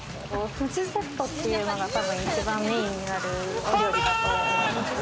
冨士セットというのが、一番メインになる料理だと思いますね。